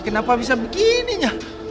kenapa bisa begininya